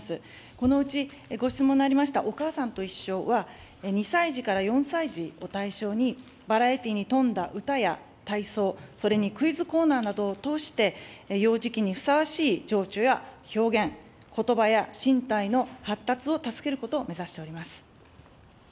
このうち、ご質問のありました、おかあさんといっしょは、２歳児から４歳児を対象に、バラエティに富んだ歌や体操、それにクイズコーナーなどを通して、幼児期にふさわしい情緒や表現、ことばや身体の発達を助けることを目指しております。